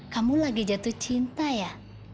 kamu lagi jatuh cinta ya